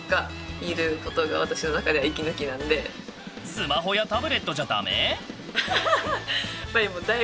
スマホやタブレットじゃダメ？